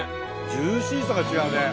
ジューシーさが違うね。